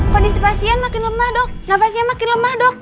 kondisi pasien makin lemah dok nafasnya makin lemah dok